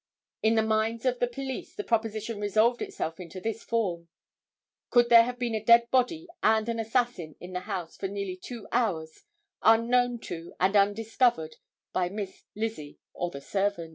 In the minds of the police the proposition resolved itself into this form. Could there have been a dead body and an assassin in the house for nearly two hours unknown to and undiscovered by Miss Lizzie or the servant?